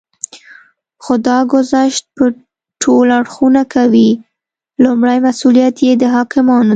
خو دا ګذشت به ټول اړخونه کوي. لومړی مسئوليت یې د حاکمانو دی